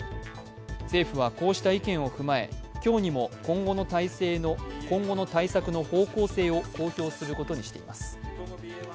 政府はこうした意見を踏まえ今日にも今後の対策の方向性を公表することにしています。